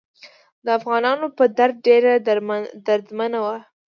د افغانانو په درد ډیره دردمنه وه.